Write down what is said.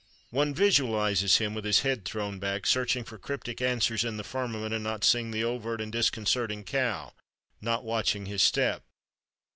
One visualizes him with his head thrown back, searching for cryptic answers in the firmament and not seeing the overt and disconcerting cow, not watching his step.